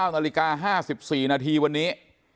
๙นาฬิกา๕๔นาทีวันนี้